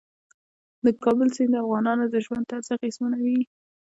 د کابل سیند د افغانانو د ژوند طرز اغېزمنوي.